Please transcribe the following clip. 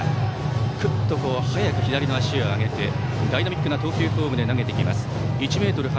くっと早く左足を上げてダイナミックな投球フォームで投げてきます。